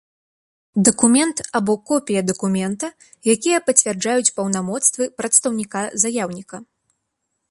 Дакумент або копiя дакумента, якiя пацвярджаюць паўнамоцтвы прадстаўнiка заяўнiка.